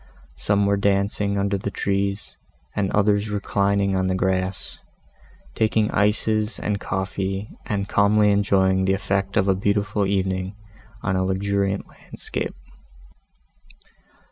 Some were dancing under the trees, and others reclining on the grass, taking ices and coffee and calmly enjoying the effect of a beautiful evening, on a luxuriant landscape.